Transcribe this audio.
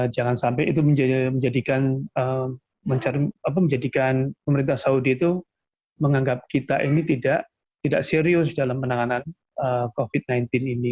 jangan sampai itu menjadikan pemerintah saudi itu menganggap kita ini tidak serius dalam penanganan covid sembilan belas ini